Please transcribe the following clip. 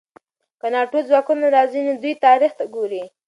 که د ناټو ځواکونه راځي، نو دوی تاریخ ته ګوري.